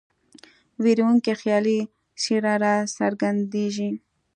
ویرونکې خیالي څېره را څرګندیږي.